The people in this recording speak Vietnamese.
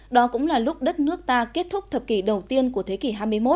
đó cũng là lúc đất nước ta kết thúc thập kỷ đầu tiên của thế kỷ hai mươi một